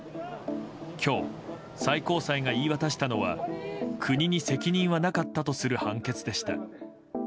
今日、最高裁が言い渡したのは国に責任はなかったとする判決でした。